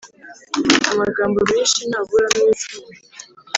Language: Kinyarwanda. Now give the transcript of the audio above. amagambo menshi ntaburamo ibicumuro,